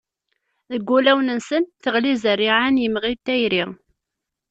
Deg wulawen-nsen teɣli zzerriɛa n yimɣi n tayri.